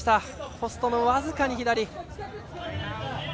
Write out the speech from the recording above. ポストの僅かに左。